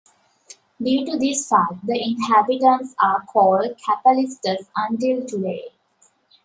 Due to this fact the inhabitants are called "capelistas" until today.